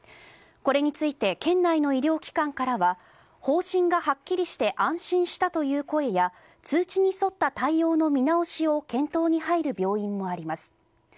これについて県内の医療機関からは方針がはっきりして安心したという声や通知に沿った対応の見直しを検討に入る病院もあります。